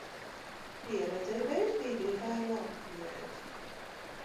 Pieredze ir vērtīga, ja tā ir laba pieredze.